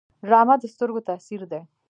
ډرامه د سترګو تاثیر دی